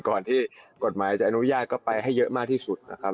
ก่อนที่กฎหมายจะอนุญาตก็ไปให้เยอะมากที่สุดนะครับ